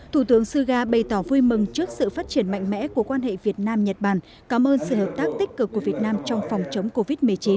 thủ tướng suga bày tỏ vui mừng trước sự phát triển mạnh mẽ của quan hệ việt nam nhật bản cảm ơn sự hợp tác tích cực của việt nam trong phòng chống covid một mươi chín